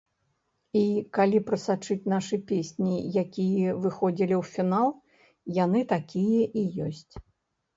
І, калі прасачыць нашы песні, якія выходзілі ў фінал, яны такія і ёсць!